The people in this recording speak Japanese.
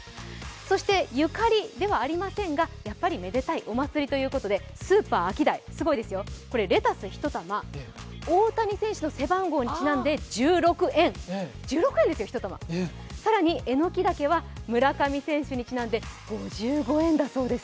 そしてゆかりではありませんが、やっぱりお祭りということでスーパーアキダイ、すごいですよ、レタス１玉大谷選手の背番号にちなんで１６円、エノキダケは村上選手にちなんで５５円だそうです。